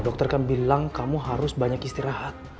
dokter kan bilang kamu harus banyak istirahat